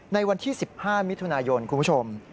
ในวันที่๑๕มิถุนายนคุณผู้ชม